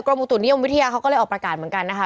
อุตุนิยมวิทยาเขาก็เลยออกประกาศเหมือนกันนะคะ